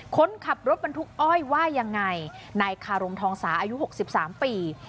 คนขับรถบรรทุกอ้อยว่ายังไงนายคารมทองสาอายุ๖๓ปี